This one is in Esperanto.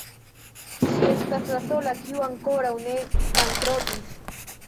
Ĝi estas la sola, kiu ankoraŭ ne bankrotis.